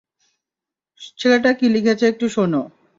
ছেলেটা কী লিখেছে একটু শোনো।